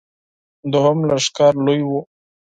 دوهم لښکر لوی و.